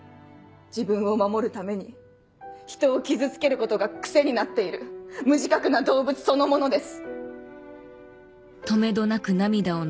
自分を守るために人を傷つけることが癖になっている無自覚な動物そのものです。